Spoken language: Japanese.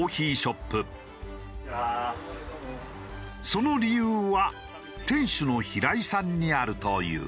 その理由は店主の平井さんにあるという。